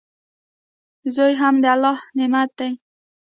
زوی هم د الله نعمت دئ.